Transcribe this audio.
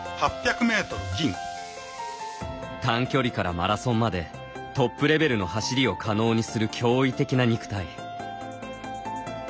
短距離からマラソンまでトップレベルの走りを可能にする驚異的な肉体。